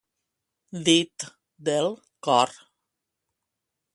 Dit del cor.